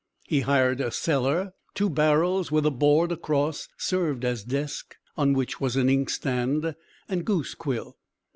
He hired a cellar; two barrels with a board across served as desk on which was an ink stand and goose quill.